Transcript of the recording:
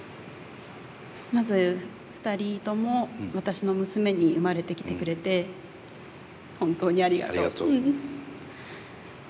まず２人とも私の娘に生まれてきてくれて本当にありがとう。